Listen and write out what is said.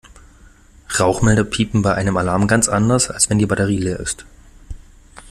Rauchmelder piepen bei einem Alarm ganz anders, als wenn die Batterie leer ist.